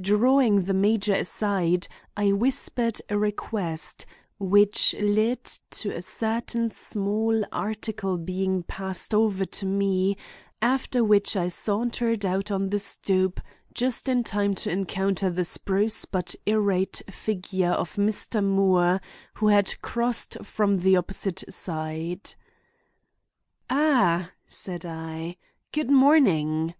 Drawing the major aside, I whispered a request, which led to a certain small article being passed over to me, after which I sauntered out on the stoop just in time to encounter the spruce but irate figure of Mr. Moore, who had crossed from the opposite side. "Ah!" said I. "Good morning!"